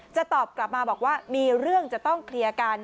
จะตอบกลับมาบอกว่ามีเรื่องจะต้องเคลียร์กัน